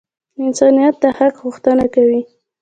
انسانیت د حق غوښتنه کوي.